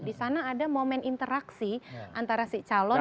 di sana ada momen interaksi antara si calon